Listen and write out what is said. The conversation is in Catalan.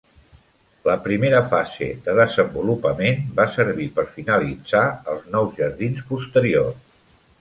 La primera fase de desenvolupament va servir per finalitzar els nou jardins posteriors.